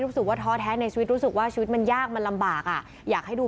และก็ขอให้มีสุขภาพมันกายแข็งแรง